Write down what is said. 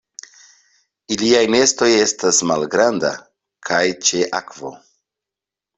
Iliaj nestoj estas malgranda kaj ĉe akvo.